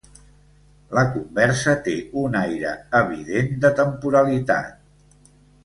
La conversa té un aire evident de temporalitat.